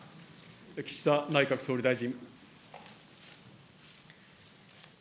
岸田内閣総理大臣。